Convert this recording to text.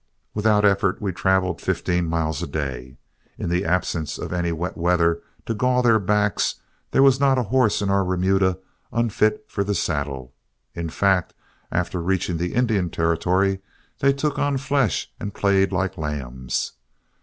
Without effort we traveled fifteen miles a day. In the absence of any wet weather to gall their backs, there was not a horse in our remuda unfit for the saddle. In fact, after reaching the Indian Territory, they took on flesh and played like lambs.